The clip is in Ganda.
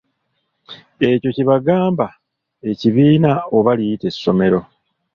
Ekyo kye kyabanga ekibiina oba liyite essomero.